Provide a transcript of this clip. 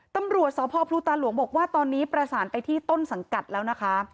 ตำรวจสพพลูตาหลวงบอกว่าตอนนี้ประสานไปที่ต้นสังกัดแล้วนะคะ